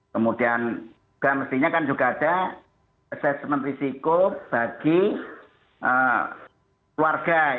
kemudian juga mestinya kan juga ada assessment risiko bagi keluarga